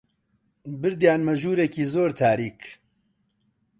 بردیانمە ژوورێکی زۆر تاریک